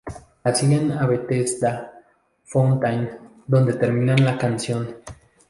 La siguen a Bethesda Fountain, donde terminan la canción.